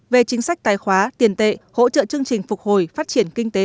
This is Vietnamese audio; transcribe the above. về chính sách tài khóa tiền tệ hỗ trợ chương trình phục hồi phát triển kinh tế